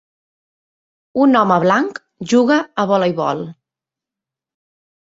Un home blanc juga a voleibol.